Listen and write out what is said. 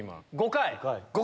５回！